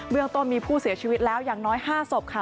เรื่องต้นมีผู้เสียชีวิตแล้วอย่างน้อย๕ศพค่ะ